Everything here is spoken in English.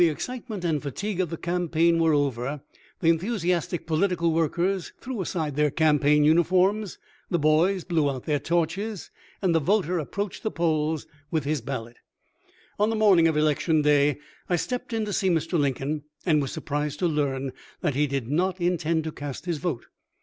467 and excitement and fatigue of the campaign were over : the enthusiastic political worlcers threw aside their campaign uniforms, the boys blew out their torches, and the voter approached the polls with his ballot. On the morning of election day I stepped in to see Mr. Lincoln, and was surprised to learn that he did not intend to cast his vote.